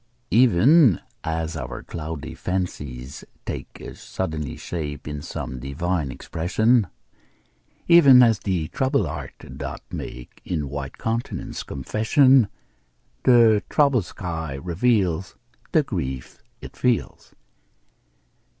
Even as our cloudy fancies take Suddenly shape in some divine expression, Even as the troubled heart doth make In the white countenance confession The troubled sky reveals The grief it feels.